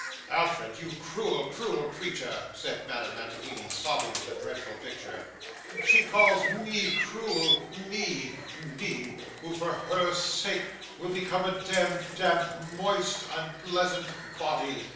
'Alfred, you cruel, cruel creature,' said Madame Mantalini, sobbing at the dreadful picture. 'She calls me cruel me me who for her sake will become a demd, damp, moist, unpleasant body!